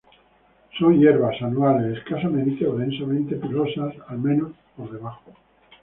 Son hierbas, anuales, escasamente a densamente pilosas, al menos, por debajo.